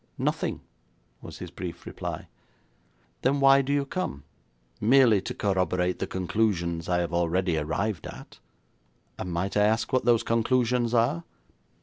'Nothing,' was his brief reply. 'Then why do you come?' 'Merely to corroborate the conclusions I have already arrived at.' 'And might I ask what those conclusions are?'